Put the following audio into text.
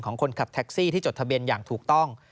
คนขับแท็กซี่ที่จดทะเบียนอย่างถูกต้อง